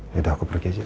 yaudah aku pergi aja